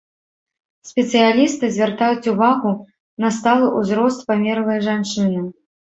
Спецыялісты звяртаюць увагу на сталы ўзрост памерлай жанчыны.